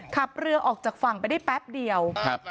ขับเรือออกจากฝั่งไปได้แป๊บเดียวครับ